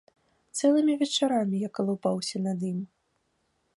Цэлымі вечарамі я калупаўся над ім.